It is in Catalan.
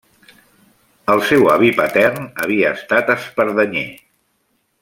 El seu avi patern havia estat espardenyer.